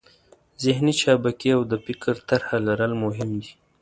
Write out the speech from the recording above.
ذهني چابکي او د فکر طرحه لرل مهم دي.